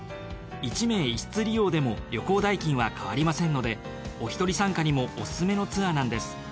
１名１室利用でも旅行代金は変わりませんのでおひとり参加にもおすすめのツアーなんです。